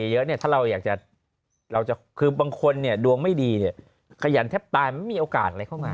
เยอะเนี่ยถ้าเราอยากจะคือบางคนเนี่ยดวงไม่ดีเนี่ยขยันแทบตายมันไม่มีโอกาสอะไรเข้ามา